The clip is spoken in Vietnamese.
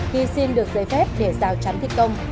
thì xin được giấy phép để rào chắn thi công